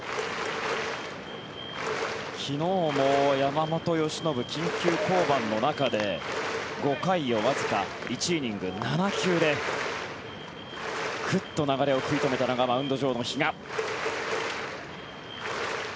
昨日も山本由伸、緊急降板の中で５回をわずか１イニング７球でクッと流れを食い止めたのがマウンド上の比嘉。